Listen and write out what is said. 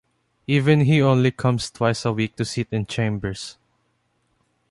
Even he only comes twice a week to sit in chambers.